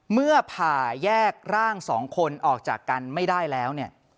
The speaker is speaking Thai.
เมื่อผ่าแยกร่างสองคนออกจากกันไม่ได้แล้วเนี่ย